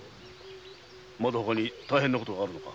まだほかに大変なことがあるのか？